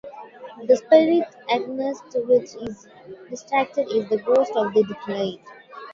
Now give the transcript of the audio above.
The spirit against which it is directed is the ghost of the deceased.